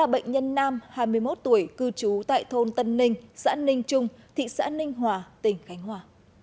ba bệnh nhân nam hai mươi một tuổi cư trú tại thôn tân ninh xã ninh trung thị xã ninh hòa tỉnh khánh hòa